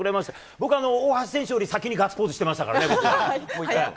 僕、大橋選手より先にガッツポーズしてましたからね。